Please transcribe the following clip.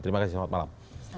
terima kasih selamat malam